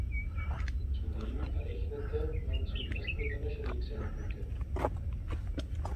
Zudem rechnete man zuerst mit einer Schrägseilbrücke.